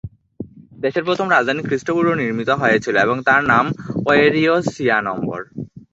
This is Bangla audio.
দেশের প্রথম রাজধানী খ্রিস্টপূর্বে নির্মিত হয়েছিল এবং তার নাম ওয়্যারিয়সিয়ানম্বর।